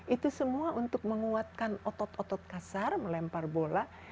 itu semua untuk menguatkan otot otot kasar melempar bola